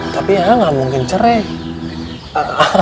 tapi ya nggak mungkin cerai